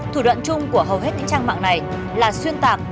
thủ đoạn chung của hầu hết những trang mạng này là xuyên tạc